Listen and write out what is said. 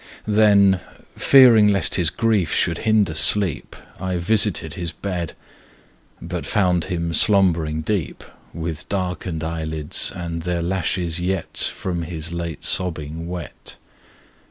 Then, fearing lest his grief should hinder sleep I visited his bed, But found him slumbering deep, With darkened eyelids, and their lashes yet. From his late sobbing wet.